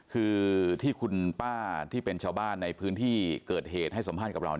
คือที่คุณป้าที่เป็นชาวบ้านในพื้นที่เกิดเหตุให้สัมภาษณ์กับเรา